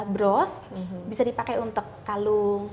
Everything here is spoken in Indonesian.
bros bisa dipakai untuk kalung